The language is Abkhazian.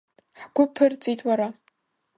Ҳгәы ԥырҵәеит, уара!